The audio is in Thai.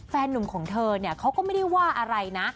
แฟนนุ่มของเธอเนี่ยเขาก็ไม่ได้ว่าอะไรนะ